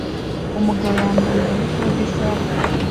Umugabo yambaye ubururu kuri bisi ihagaze